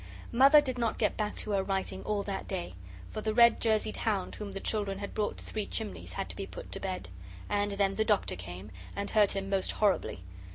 Mother did not get back to her writing all that day, for the red jerseyed hound whom the children had brought to Three Chimneys had to be put to bed. And then the Doctor came, and hurt him most horribly.